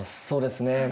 そうですね